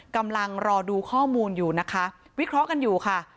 กำลังรอดูข้อมูลอยู่นะคะวิเคราะห์กันอยู่ค่ะ